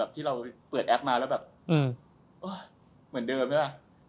ที่เราเปิดแอปมาแล้วแบบเหมือนเดิมไหมล่ะ